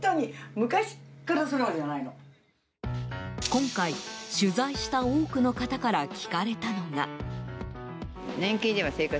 今回、取材した多くの方から聞かれたのが。